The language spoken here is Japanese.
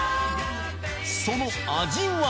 その味は？